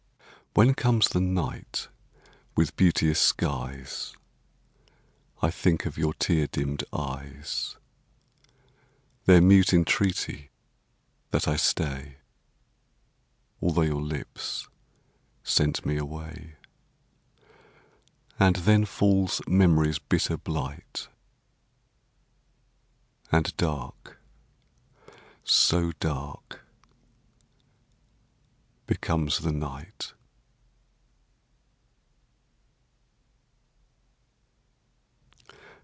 When comes the night with beauteous skies, I think of your tear dimmed eyes, Their mute entreaty that I stay, Although your lips sent me away; And then falls memory's bitter blight, And dark so dark becomes the night.